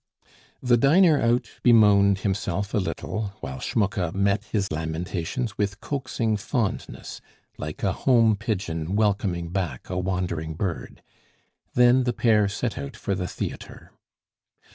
The diner out bemoaned himself a little, while Schmucke met his lamentations with coaxing fondness, like a home pigeon welcoming back a wandering bird. Then the pair set out for the theatre.